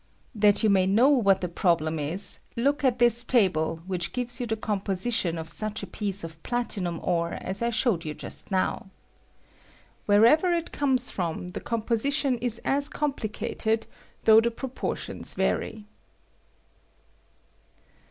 That you may know what the problem ia, look at this table, which gives you the composition of such a piece of platinum ore as I showed you just now. Wherever it comes from, the com position is as complicated, though the propor tions vary.